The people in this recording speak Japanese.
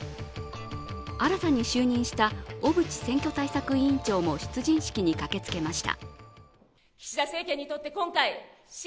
新たに就任した小渕選挙対策委員長も出陣式に駆けつけました。